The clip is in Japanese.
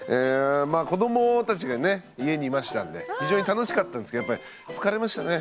まあ子どもたちがね家にいましたんで非常に楽しかったんですけどやっぱり疲れましたね